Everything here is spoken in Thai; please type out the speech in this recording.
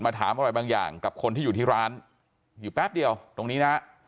ถามอะไรบางอย่างกับคนที่อยู่ที่ร้านอยู่แป๊บเดียวตรงนี้นะฮะ